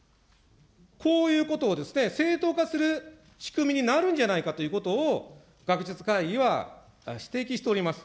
こういうことを正当化する仕組みになるんじゃないかということを、学術会議は指摘しております。